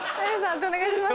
判定お願いします。